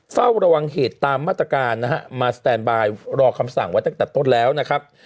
เฝ้าระวังเหตุตามมาตรการนะฮะมาสแตนบายรอคำสั่งไว้ตั้งแต่ต้นแล้วนะครับ